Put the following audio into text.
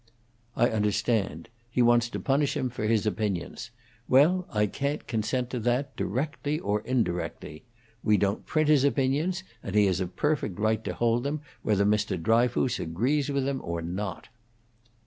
"I understand. He wants to punish him for his opinions. Well, I can't consent to that, directly or indirectly. We don't print his opinions, and he has a perfect right to hold them, whether Mr. Dryfoos agrees with them or not."